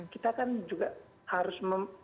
kita kan juga harus